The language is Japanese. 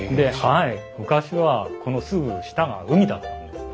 昔はこのすぐ下が海だったんです。